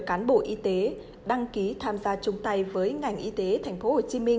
cán bộ y tế đăng ký tham gia chung tay với ngành y tế tp hcm